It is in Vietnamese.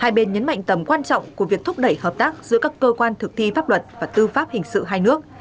hai bên nhấn mạnh tầm quan trọng của việc thúc đẩy hợp tác giữa các cơ quan thực thi pháp luật và tư pháp hình sự hai nước